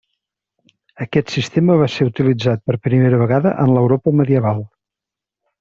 Aquest sistema va ser utilitzat per primera vegada en l'Europa medieval.